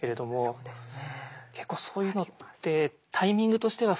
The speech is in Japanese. そうですね。